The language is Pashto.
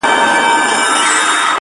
چي یوازي ملکه او خپل سترخان سو،